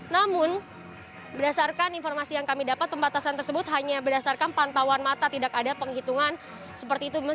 namun berdasarkan informasi yang kami dapat pembatasan tersebut hanya berdasarkan pantauan mata tidak ada penghitungan seperti itu